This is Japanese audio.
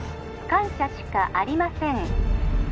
☎感謝しかありません